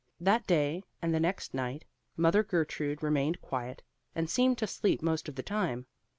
That day and the next night Mother Gertrude remained quiet, and seemed to sleep most of the time.